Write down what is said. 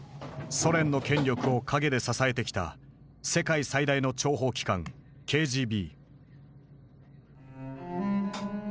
ソ連の権力を陰で支えてきた世界最大の諜報機関ＫＧＢ。